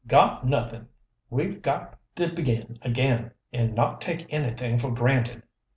"Got, nothing! We've got to begin again, and not take anything for granted.